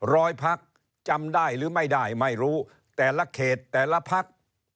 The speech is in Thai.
พักจำได้หรือไม่ได้ไม่รู้แต่ละเขตแต่ละพัก